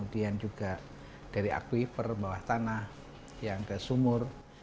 dan juga dari aquifer bawah tanah yang ada sumur